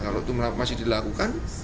kalau itu masih dilakukan